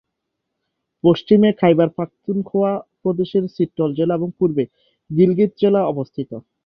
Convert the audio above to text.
পশ্চিমে, খাইবার পাখতুনখোয়া প্রদেশের চিত্রল জেলা এবং পূর্বে গিলগিত জেলা অবস্থিত।